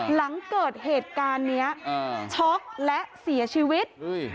หลังเกิดเหตุการณ์เนี้ยอ่าช็อกและเสียชีวิต